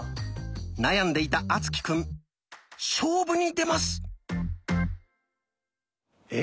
悩んでいた敦貴くん勝負に出ます！え？